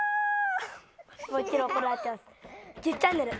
もちろんこれは合ってます。